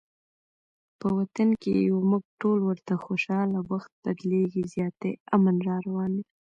په وطن کې یو موږ ټول ورته خوشحاله، وخت بدلیږي زیاتي امن راروان دي